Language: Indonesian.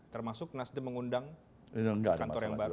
termasuk nasdem mengundang kantor yang baru